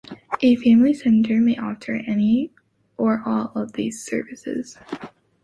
A family centre may offer any or all of these services.